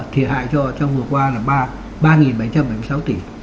thì hại cho trong vừa qua là ba bảy trăm bảy mươi sáu tỷ